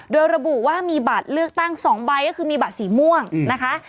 โดยระบุว่ามีบัตรเลือกตั้ง๒ใบก็คือมีบัตรสีม่วงนะคะ